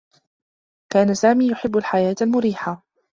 كان سامي يحبّ الحياة المريحة.